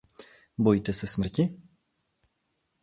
Bojíte se smrti?